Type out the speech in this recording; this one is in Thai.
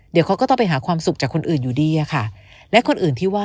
เดี๋ยวเขาก็ต้องไปหาความสุขจากคนอื่นอยู่ดีอะค่ะ